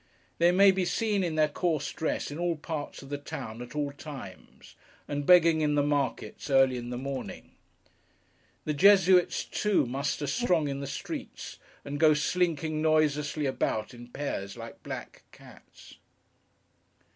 They may be seen, in their coarse dress, in all parts of the town at all times, and begging in the markets early in the morning. The Jesuits too, muster strong in the streets, and go slinking noiselessly about, in pairs, like black cats.